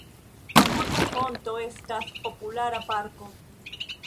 Apud la fonto estas populara parko.